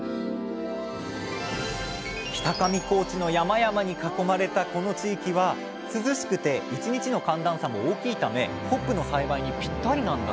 北上高地の山々に囲まれたこの地域は涼しくて１日の寒暖差も大きいためホップの栽培にぴったりなんだそうです